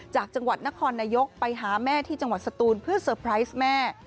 จากจังหวัดนครนายกไปหาแม่ที่จังหวัดสตูนเพื่อเซอร์ไพรส์แม่